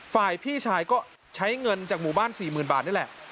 ฝ่ายพี่ชายก็ใช้เงินจากหมู่บ้าน๔๐๐๐บาทนี่แหละ